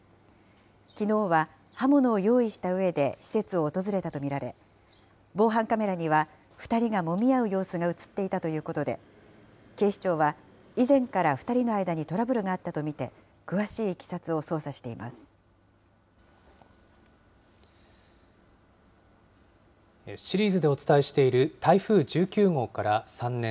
きのうは刃物を用意したうえで、施設を訪れたと見られ、防犯カメラには２人がもみ合う様子が写っていたということで、警視庁は、以前から２人の間にトラブルがあったと見て、詳しいいきさつを捜シリーズでお伝えしている、台風１９号から３年。